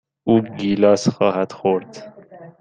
او گیلاس خواهد خورد.